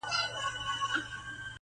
هره شمع یې ژړیږي کابل راسي٫